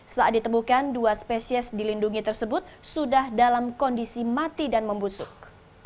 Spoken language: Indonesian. saat ditemukan dua spesies dilindungi tersebut sudah dalam kondisi mati dan membusuk